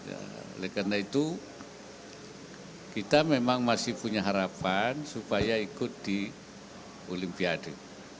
oleh karena itu kita memang masih punya harapan supaya ikut di olimpiade